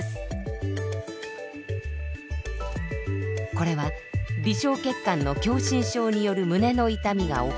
これは微小血管の狭心症による胸の痛みが起こった年齢です。